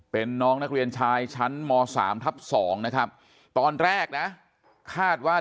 เป็นน้องนักเรียนชายชั้นม๓ทับ๒นะครับตอนแรกนะคาดว่า